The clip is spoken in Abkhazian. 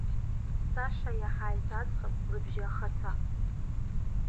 Саша иаҳаит аӡӷаб лыбжьы ахаҭа.